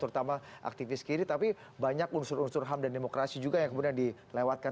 terutama aktivis kiri tapi banyak unsur unsur ham dan demokrasi juga yang kemudian dilewatkan